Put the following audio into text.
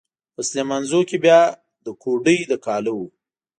په سليمانزو کې بيا د کوډۍ د کاله و.